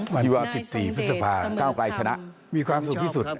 วัน๑๔พฤษภามีความสุขที่สุด